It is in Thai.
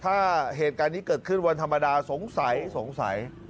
ถ้าเหตุการณ์นี้เกิดขึ้นวันธรรมดาสงสัยสงสัย